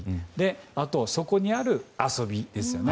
あとはそこにある遊びですよね。